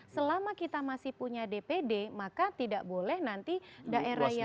selama kita masih punya dpd maka tidak boleh nanti daerah yang